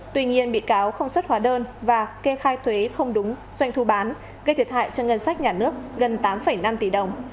tuy nhiên bị cáo không xuất hóa đơn và kê khai thuế không đúng doanh thu bán gây thiệt hại cho ngân sách nhà nước gần tám năm tỷ đồng